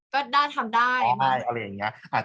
ก็ด้าทำได้